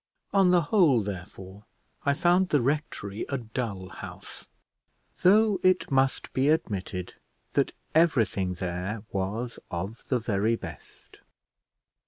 On the whole, therefore, I found the rectory a dull house, though it must be admitted that everything there was of the very best.